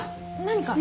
何か？